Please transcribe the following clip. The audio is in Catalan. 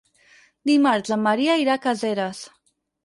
Dimarts en Maria irà a Caseres.